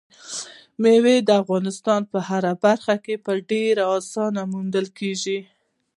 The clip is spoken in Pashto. مېوې د افغانستان په هره برخه کې په ډېرې اسانۍ موندل کېږي.